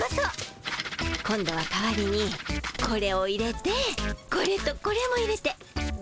今度は代わりにこれを入れてこれとこれも入れて。